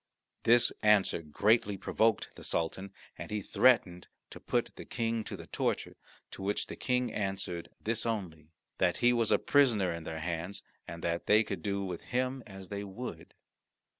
This answer greatly provoked the Sultan, and he threatened to put the King to the torture, to which the King answered this only, that he was a prisoner in their hands, and that they could do with him as they would.